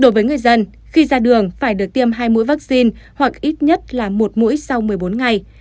đối với người dân khi ra đường phải được tiêm hai mũi vaccine hoặc ít nhất là một mũi sau một mươi bốn ngày